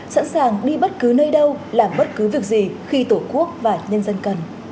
sẵn sàng đi bất cứ nơi đâu làm bất cứ việc gì khi tổ quốc và nhân dân cần